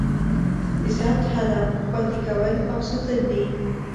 د ضبط هدف؛ خوندي کول او ساتل دي.